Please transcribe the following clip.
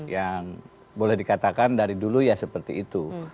yang boleh dikatakan dari dulu ya seperti itu